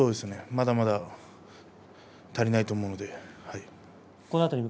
まだまだ足りないと思うので。